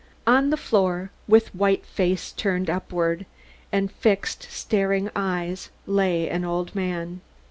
On the floor, with white face turned upward, and fixed, staring eyes, lay an old man.